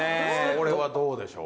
これはどうでしょう？